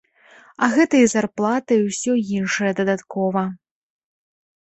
А гэта і зарплата, і ўсё іншае дадаткова.